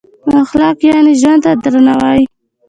اخلاق یعنې ژوند ته درناوی.